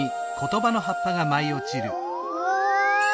うわ！